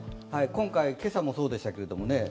今回、今朝もそうでしたけてもけれどもね。